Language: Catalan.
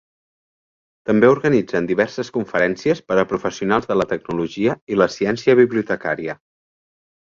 També organitzen diverses conferències per a professionals de la tecnologia i la ciència bibliotecària.